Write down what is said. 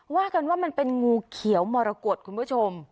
ว่ากันว่ามันเป็นงูเขียวมรกฏคุณผู้ชม